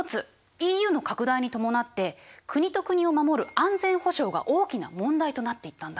ＥＵの拡大に伴って国と国を守る安全保障が大きな問題となっていったんだ。